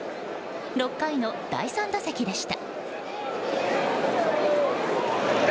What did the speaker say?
６回の第３打席でした。